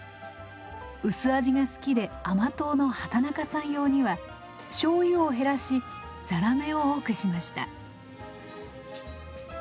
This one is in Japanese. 薄味が好きで甘党の畠中さん用には醤油を減らしざらめを多くしました。